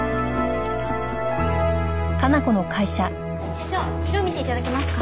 社長色見て頂けますか？